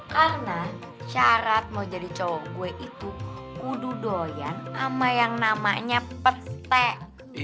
karena syarat mau jadi cowok gue itu kudu doyan ama yang namanya petai